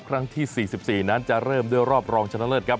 ครั้งที่๔๔นั้นจะเริ่มด้วยรอบรองชนะเลิศครับ